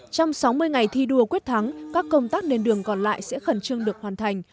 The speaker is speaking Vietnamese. trong sáu mươi ngày thi đua quyết thắng các công tác nền đường còn lại sẽ khẩn trương được hoàn thành